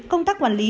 ở nhà lĩnh phí